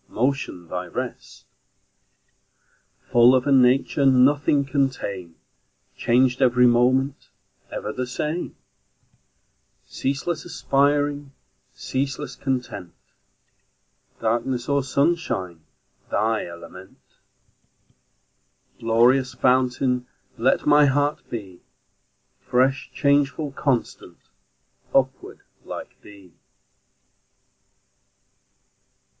Motion thy rest; Full of a nature Nothing can tame, Changed every moment, Ever the same; Ceaseless aspiring, Ceaseless content, Darkness or sunshine Thy element; Glorious fountain. Let my heart be Fresh, changeful, constant, Upward, like thee!